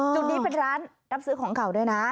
จุดนี้เป็นร้านรับซื้อของเก่าด้วยนะ